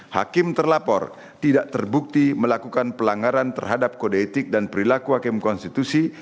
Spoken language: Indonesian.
hakim terlapor tidak terbukti melakukan pelanggaran terhadap kode etik dan perilaku hakim konstitusi